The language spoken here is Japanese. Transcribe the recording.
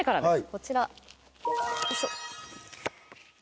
こちらよいしょ。